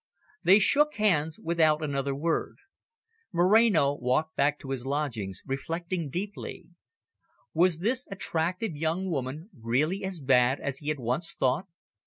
They shook hands without another word. Moreno walked back to his lodgings reflecting deeply. Was this attractive young woman really as bad as he had once thought?